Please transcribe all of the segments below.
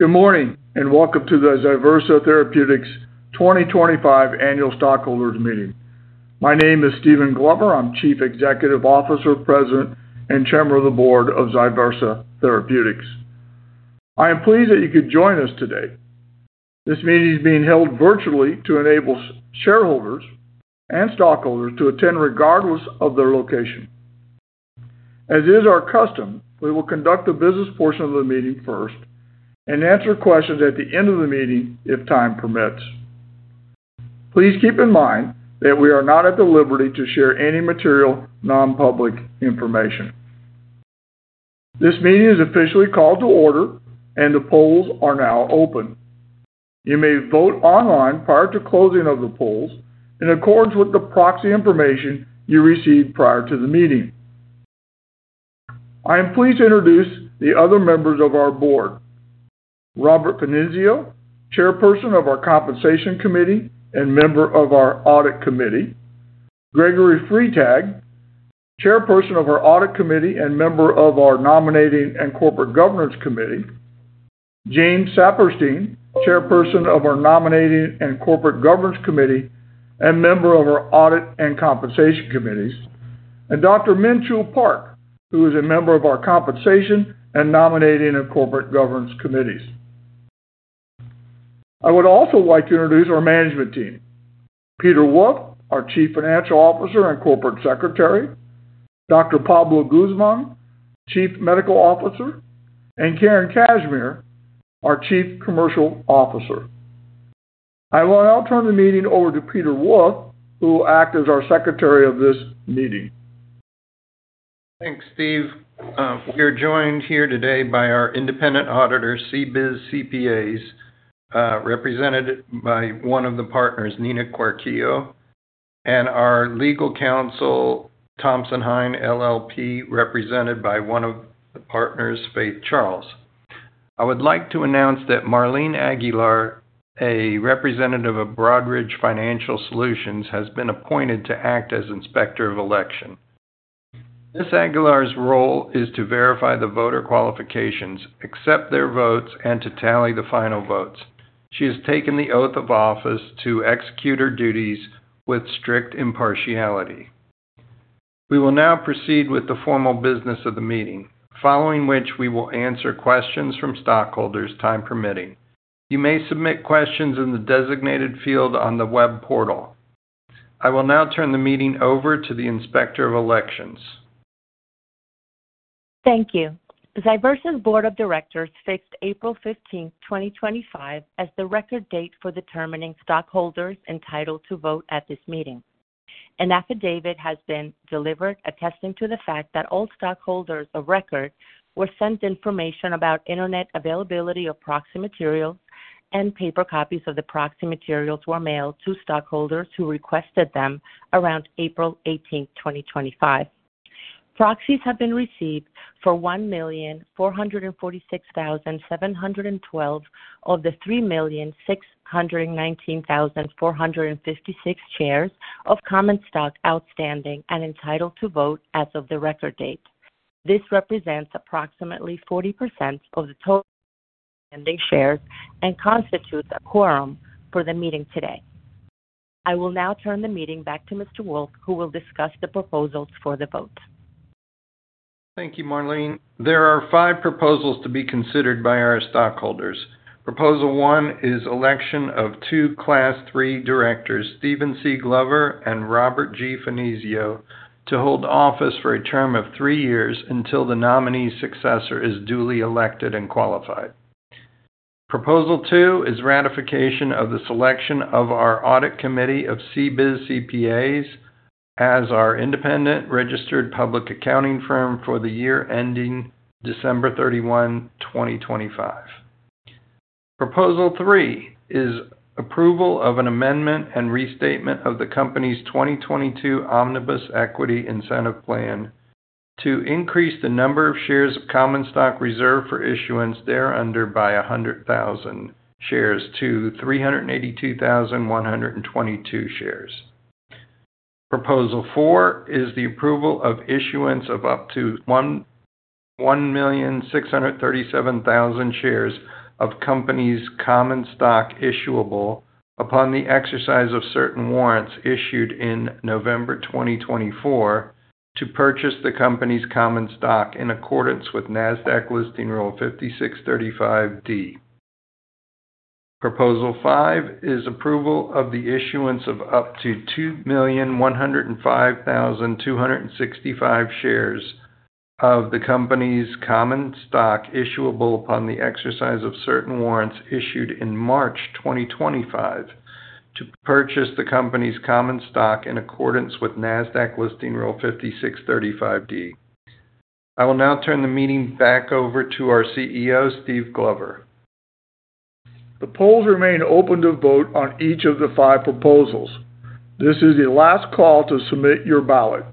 Good morning and welcome to the ZyVersa Therapeutics 2025 Annual Stockholders Meeting. My name is Steven Glover. I'm Chief Executive Officer, President, and Chairman of the Board of ZyVersa Therapeutics. I am pleased that you could join us today. This meeting is being held virtually to enable shareholders and stockholders to attend regardless of their location. As is our custom, we will conduct the business portion of the meeting first and answer questions at the end of the meeting if time permits. Please keep in mind that we are not at the liberty to share any material non-public information. This meeting is officially called to order, and the polls are now open. You may vote online prior to closing of the polls in accordance with the proxy information you received prior to the meeting. I am pleased to introduce the other members of our board: Robert Fenizio, Chairperson of our Compensation Committee and Member of our Audit Committee, Gregory Freetag, Chairperson of our Audit Committee and Member of our Nominating and Corporate Governance Committee, James Saperstein, Chairperson of our Nominating and Corporate Governance Committee and Member of our Audit and Compensation Committees, and Dr. Minchu Park, who is a member of our Compensation and Nominating and Corporate Governance Committees. I would also like to introduce our management team: Peter Wolf, our Chief Financial Officer and Corporate Secretary, Dr. Pablo Guzmán, Chief Medical Officer, and Karen Cashmere, our Chief Commercial Officer. I will now turn the meeting over to Peter Wolf, who will act as our Secretary of this meeting. Thanks, Steve. We are joined here today by our independent auditors, CBIZ CPAs, represented by one of the partners, Nina Quarquillo, and our legal counsel, Thompson Hine LLP, represented by one of the partners, Faith Charles. I would like to announce that Marlene Aguilar, a representative of Broadridge Financial Solutions, has been appointed to act as Inspector of Election. Ms. Aguilar's role is to verify the voter qualifications, accept their votes, and to tally the final votes. She has taken the oath of office to execute her duties with strict impartiality. We will now proceed with the formal business of the meeting, following which we will answer questions from stockholders, time permitting. You may submit questions in the designated field on the web portal. I will now turn the meeting over to the Inspector of Election. Thank you. ZyVersa's Board of Directors fixed April 15, 2025, as the record date for determining stockholders entitled to vote at this meeting. An affidavit has been delivered attesting to the fact that all stockholders of record were sent information about internet availability of proxy materials, and paper copies of the proxy materials were mailed to stockholders who requested them around April 18, 2025. Proxies have been received for 1,446,712 of the 3,619,456 shares of common stock outstanding and entitled to vote as of the record date. This represents approximately 40% of the total outstanding shares and constitutes a quorum for the meeting today. I will now turn the meeting back to Mr. Wolf, who will discuss the proposals for the vote. Thank you, Marlene. There are five proposals to be considered by our stockholders. Proposal one is election of two Class III directors, Steven C. Glover and Robert G. Fenizio, to hold office for a term of three years until the nominee successor is duly elected and qualified. Proposal two is ratification of the selection of our Audit Committee of CBIZ CPAs as our independent registered public accounting firm for the year ending December 31, 2025. Proposal three is approval of an amendment and restatement of the company's 2022 Omnibus Equity Incentive Plan to increase the number of shares of common stock reserved for issuance thereunder by 100,000 shares to 382,122 shares. Proposal four is the approval of issuance of up to 1,637,000 shares of the company's common stock issuable upon the exercise of certain warrants issued in November 2024 to purchase the company's common stock in accordance with NASDAQ Listing Rule 5635(d). Proposal five is approval of the issuance of up to 2,105,265 shares of the company's common stock issuable upon the exercise of certain warrants issued in March 2025 to purchase the company's common stock in accordance with NASDAQ Listing Rule 5635(d). I will now turn the meeting back over to our CEO, Steven Glover. The polls remain open to vote on each of the five proposals. This is your last call to submit your ballot.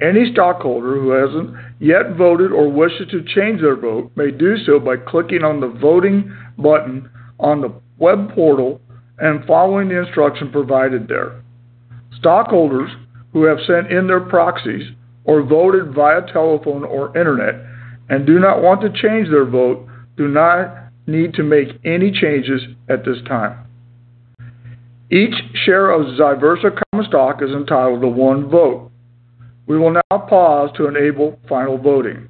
Any stockholder who has not yet voted or wishes to change their vote may do so by clicking on the voting button on the web portal and following the instruction provided there. Stockholders who have sent in their proxies or voted via telephone or internet and do not want to change their vote do not need to make any changes at this time. Each share of ZyVersa common stock is entitled to one vote. We will now pause to enable final voting.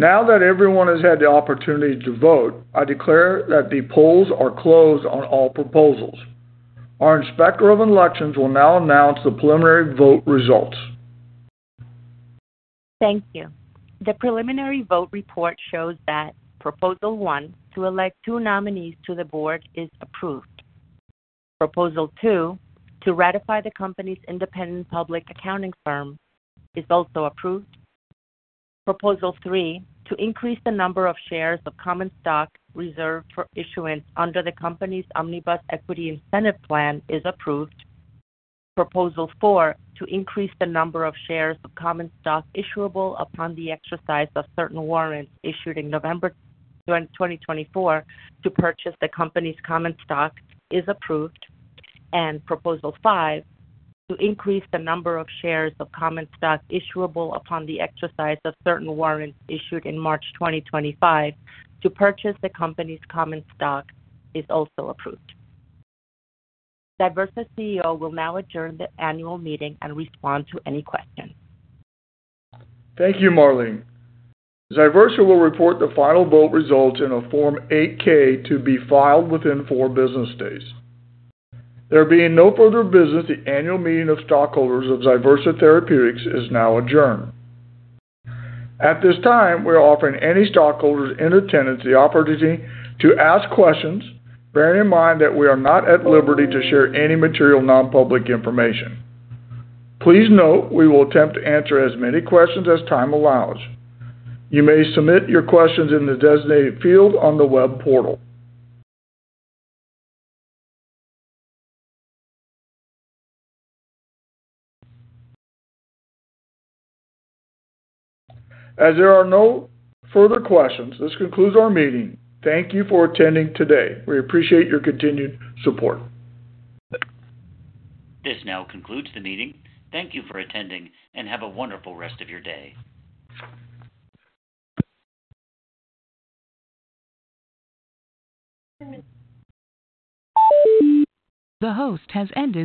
Now that everyone has had the opportunity to vote, I declare that the polls are closed on all proposals. Our Inspector of Election will now announce the preliminary vote results. Thank you. The preliminary vote report shows that Proposal One, to elect two nominees to the board, is approved. Proposal Two, to ratify the company's independent public accounting firm, is also approved. Proposal Three, to increase the number of shares of common stock reserved for issuance under the company's Omnibus Equity Incentive Plan, is approved. Proposal Four, to increase the number of shares of common stock issuable upon the exercise of certain warrants issued in November 2024 to purchase the company's common stock, is approved. Proposal Five, to increase the number of shares of common stock issuable upon the exercise of certain warrants issued in March 2025 to purchase the company's common stock, is also approved. ZyVersa CEO will now adjourn the annual meeting and respond to any questions. Thank you, Marlene. ZyVersa will report the final vote results in a Form 8-K to be filed within four business days. There being no further business, the annual meeting of stockholders of ZyVersa Therapeutics is now adjourned. At this time, we are offering any stockholders in attendance the opportunity to ask questions, bearing in mind that we are not at liberty to share any material non-public information. Please note we will attempt to answer as many questions as time allows. You may submit your questions in the designated field on the web portal. As there are no further questions, this concludes our meeting. Thank you for attending today. We appreciate your continued support. This now concludes the meeting. Thank you for attending and have a wonderful rest of your day. The host has ended.